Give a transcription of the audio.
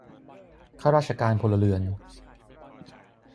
ข้าราชการพลเรือน